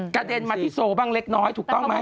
กระเด็นมาทิโซบังเล็กน้อยถูกต้องไหม